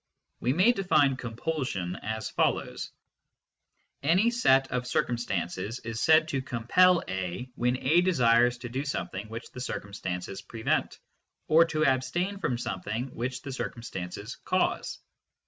We may define " compulsion " as follows :" Any set of circum stances is said to compel A when A desires to do some thing which the circumstances prevent, or to abstain from something which the circumstances cause."